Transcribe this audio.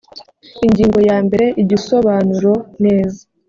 ingingo ya mbere igisobanuro neza.